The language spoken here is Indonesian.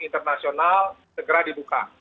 internasional segera dibuka